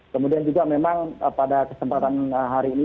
kemudian juga memang pada kesempatan hari ini